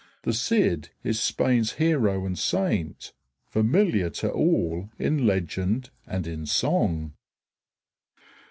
The Cid is Spain's hero and saint, familiar to all in legend and in song.